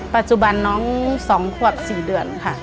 ปัจจุบันน้อง๒ขวบ๔เดือนค่ะ